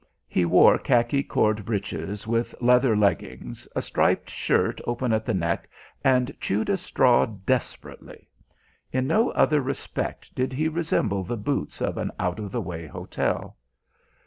He wore khaki cord breeches with leather leggings, a striped shirt open at the neck, and chewed a straw desperately. In no other respect did he resemble the boots of an out of the way hotel.